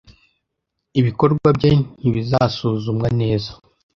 Ibikorwa bye ntibizasuzumwa neza.